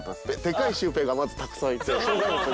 でかいシュウペイがまずたくさんいて。